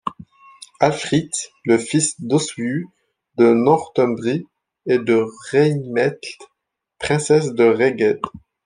Alhfrith le fils d'Oswiu de Northumbrie et de Rieinmelth, princesse de Rheged.